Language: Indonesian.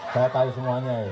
saya tau semuanya ya udah